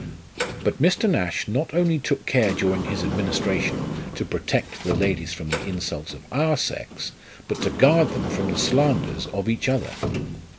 But Mr. Nash not only took care, during his administration, to protect the ladies from the insults of our sex, but to guard them from the slanders of each other.